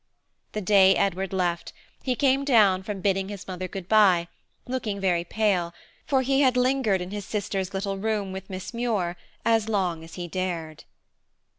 The day Edward left, he came down from bidding his mother good bye, looking very pale, for he had lingered in his sister's little room with Miss Muir as long as he dared.